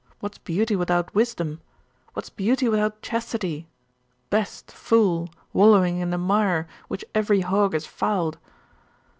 What's beauty without wisdom? What's beauty without chastity? Best! fool! wallowing in the mire which every hog has fouled!